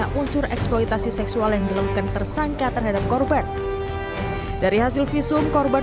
tak muncul eksploitasi seksual yang dilakukan tersangka terhadap korban dari hasil visum korban